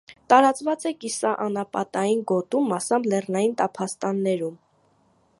Տարածված է կիսանապատային գոտում, մասամբ՝ լեռնային տափաստաններում։